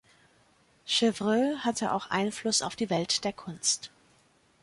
Chevreul hatte auch Einfluss auf die Welt der Kunst.